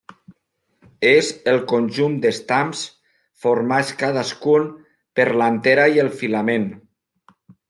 És el conjunt d'estams, formats cadascun per l'antera i el filament.